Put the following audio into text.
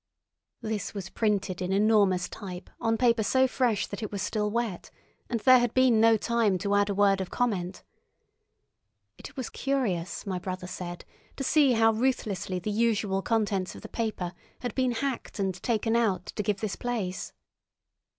This was printed in enormous type on paper so fresh that it was still wet, and there had been no time to add a word of comment. It was curious, my brother said, to see how ruthlessly the usual contents of the paper had been hacked and taken out to give this place.